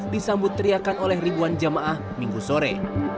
disambut teriakan oleh ribuan jamaah minggu sore